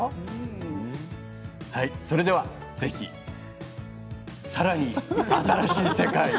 それではぜひさらに新しい世界。